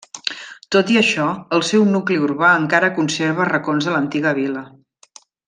Tot i això, el seu nucli urbà encara conserva racons de l'antiga vila.